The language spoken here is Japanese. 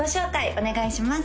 お願いします